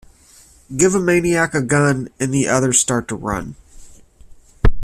Give a maniac a gun and the others start to run.